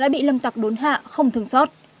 lại bị lâm tạc đốn hạ không thường xót